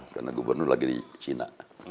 karena gubernur lagi di china